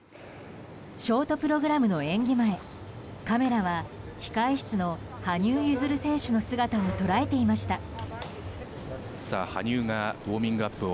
ショートプログラムの演技前カメラは控室の羽生結弦選手の姿を捉えていました。